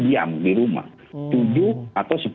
diam di rumah tujuh atau